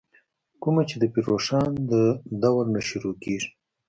کومه چې دَپير روښان ددورنه شروع کيږې